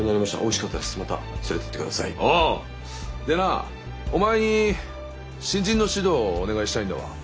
でなお前に新人の指導をお願いしたいんだわ。